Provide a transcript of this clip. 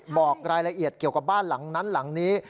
บอกรายละเอียดเกี่ยวกับบ้านหลังนั้นหลังนี้